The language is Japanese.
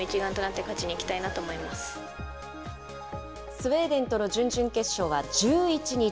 スウェーデンとの準々決勝は１１日。